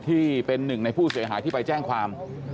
ที่เป็นหนึ่งในผู้เสียหายที่ไปแจ้งความ